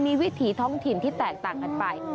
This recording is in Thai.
มีวิถีท้องถิ่นที่แตกต่างกันไป